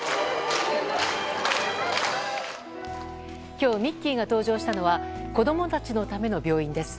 今日、ミッキーが登場したのは子供たちのための病院です。